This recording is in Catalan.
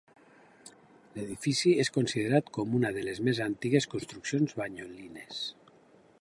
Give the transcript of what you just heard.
L'edifici és considerat com una de les més antigues construccions banyolines.